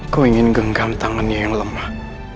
kuingin genggam tangannya yang lemah